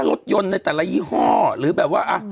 รถยนต์ในแต่ละยี่ห้อหรือแบบว่า